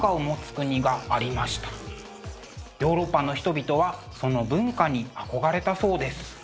ヨーロッパの人々はその文化に憧れたそうです。